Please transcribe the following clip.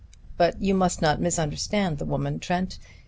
But you must not misunderstand the woman, Trent.